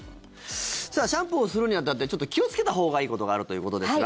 シャンプーをするに当たって気をつけたほうがいいことがあるということですが。